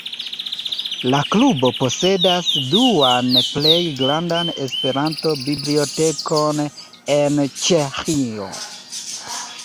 La Klubo posedas duan plej grandan Esperanto-bibliotekon en Ĉeĥio.